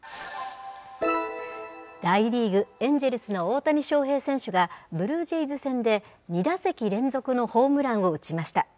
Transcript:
大リーグ・エンジェルスの大谷翔平選手がブルージェイズ戦で、２打席連続のホームランを打ちました。